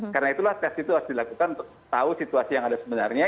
karena itulah tes itu harus dilakukan untuk tahu situasi yang ada sebenarnya